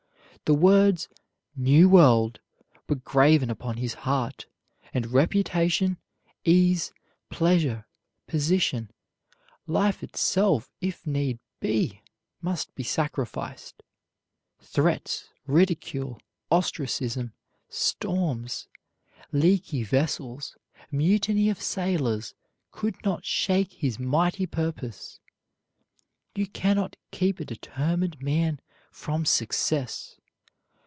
The words "New World" were graven upon his heart; and reputation, ease, pleasure, position, life itself if need be, must be sacrificed. Threats, ridicule, ostracism, storms, leaky vessels, mutiny of sailors, could not shake his mighty purpose. You can not keep a determined man from success.